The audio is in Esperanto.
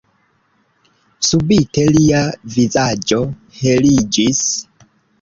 Subite lia vizaĝo heliĝis.